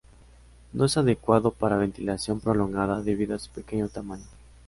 No es adecuada para ventilación prolongada debido a su pequeño tamaño.